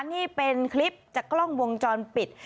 นี่เป็นคลิปจากกล้องวงจรปิด